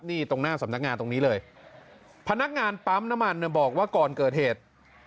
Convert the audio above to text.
นี่ตรงหน้าสำนักงานตรงนี้เลยพนักงานปั๊มน้ำมันบอกว่าก่อนเกิดเหตุ